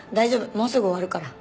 もうすぐ終わるから。